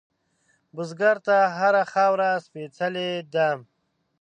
بزګر ته هره خاوره سپېڅلې ده